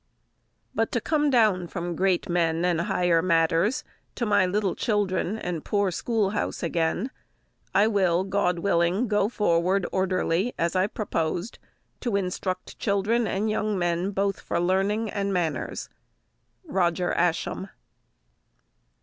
But to come down from great men and higher matters to my little children and poor school house again; I will, God willing, go forward orderly, as I proposed, to instruct children and young men both for learning and manners. ROGER ASCHAM.